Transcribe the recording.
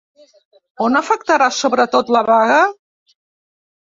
On afectarà sobretot la vaga?